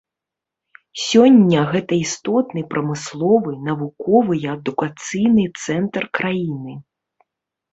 Сёння гэта істотны прамысловы, навуковы і адукацыйны цэнтр краіны.